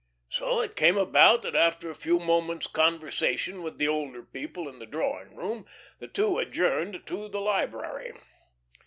So it came about that, after a few moments, conversation with the older people in the drawing room, the two adjourned to the library.